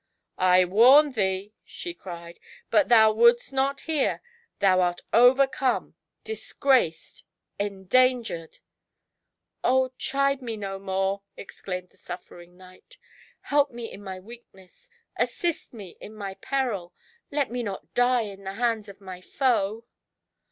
I warned thee," she cried, ''but thou wouldst not hear ! Thou art overcome — disgraced — endangered !" "Oh, chide me no mare !" exclaimed the suffering knight;' " help me in my weakness, assist me in my peril, let me not die in the hands of my foe."